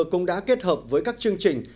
cũng đã kết hợp với các chương trình